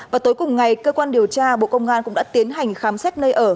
và tối cùng ngày cơ quan điều tra bộ công an cũng đã tiến hành khám xét nơi ở